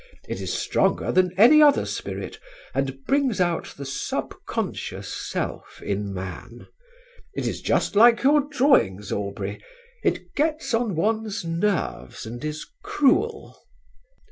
It is stronger than any other spirit, and brings out the sub conscious self in man. It is just like your drawings, Aubrey; it gets on one's nerves and is cruel.